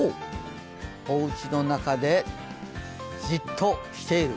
おうちの中でじっとしている。